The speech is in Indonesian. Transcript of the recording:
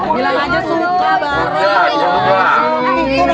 bilang aja sudah